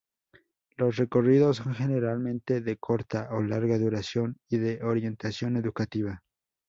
Los recorridos son generalmente de corta o larga duración y de orientación educativa.